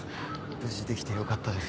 無事できてよかったです。